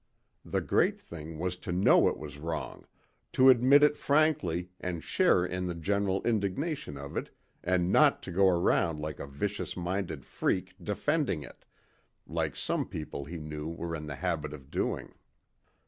The great thing was to know it was wrong, to admit it frankly and share in the general indignation of it and not to go around like a vicious minded freak defending it, like some people he knew were in the habit of doing.